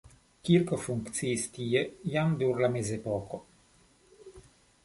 Kirko funkciis tie jam dum la mezepoko.